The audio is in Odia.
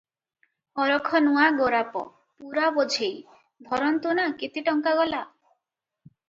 ଅରଖ ନୂଆ ଗୋରାପ, ପୂରା ବୋଝେଇ, ଧରନ୍ତୁ ନା କେତେ ଟଙ୍କା ଗଲା?